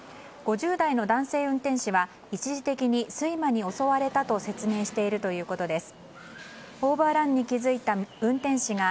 ５０代の男性運転士は一時的に睡魔に襲われたと説明しているということです。